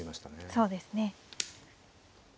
そうですね。